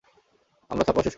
আমরা ছাপাও শেষ করেছি।